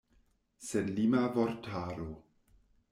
Senlima vortaro.